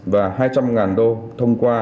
và hai trăm linh usd thông qua